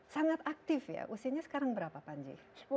sangat aktif ya usianya sekarang berapa panji